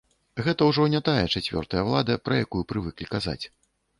Гэта ўжо не тая чацвёртая ўлада, пра якую прывыклі казаць.